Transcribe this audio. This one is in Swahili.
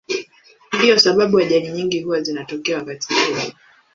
Ndiyo sababu ajali nyingi huwa zinatokea wakati huo.